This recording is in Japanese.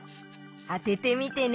あててみてね。